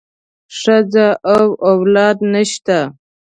ښځه او اولاد نشته.